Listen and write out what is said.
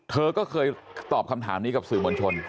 เธอก็เคยตอบคำถามนี้กับสื่อมวลชน